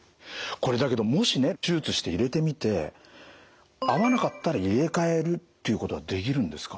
これだけどもしね手術して入れてみて合わなかったら入れ替えるっていうことはできるんですか？